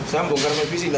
saya membongkar match fixing